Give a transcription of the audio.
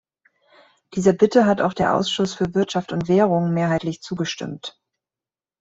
Dieser Bitte hat auch der Ausschuss für Wirtschaft und Währung mehrheitlich zugestimmt.